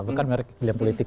bukan melihatnya politik